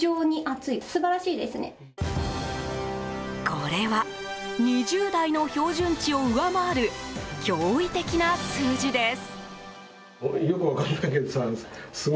これは２０代の標準値を上回る驚異的な数字です。